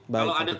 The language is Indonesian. baik pak pak